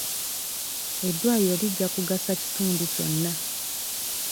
Eddwaliro lijja kugasa kitundu kyonna.